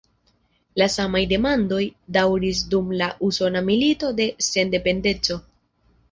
La samaj demandoj daŭris dum la Usona Milito de Sendependeco.